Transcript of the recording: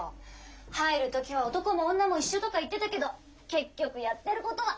入る時は「男も女も一緒」とか言ってたけど結局やってることは。